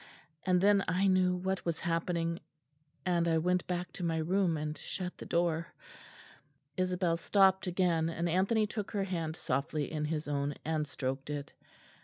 And then I knew what was happening; and I went back to my room and shut the door." Isabel stopped again; and Anthony took her hand softly in his own and stroked it.